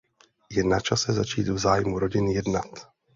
Je na čase začít v zájmu rodin jednat.